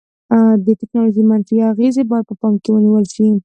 د ټیکنالوژي منفي اغیزې باید په پام کې ونیول شي.